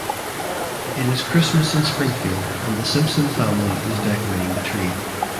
It is Christmas in Springfield and the Simpson family is decorating the tree.